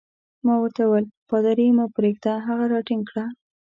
ما ورته وویل: پادري مه پرېږده، هغه راټینګ کړه.